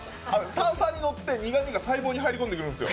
炭酸によって苦味が細胞に入り込んでくるんですよ。